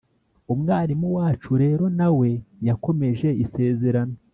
umwarimu wacu rero na we yakomeje isezerano,